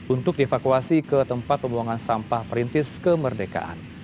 untuk dievakuasi ke tempat pembuangan sampah perintis kemerdekaan